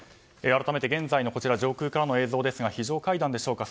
改めて現在の上空からの映像ですが非常階段でしょうか。